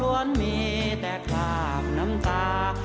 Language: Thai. ล้วนมีแต่ขาบน้ำตา